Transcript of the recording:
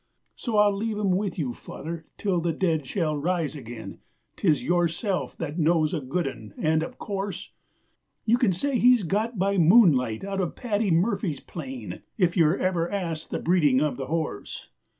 So I'll leave him with you, Father, till the dead shall rise again, 'Tis yourself that knows a good 'un; and, of course, You can say he's got by Moonlight out of Paddy Murphy's plain If you're ever asked the breeding of the horse!